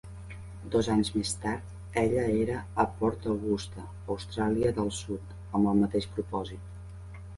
Dos anys més tard, ella era a Port Augusta, Austràlia del Sud, amb el mateix propòsit.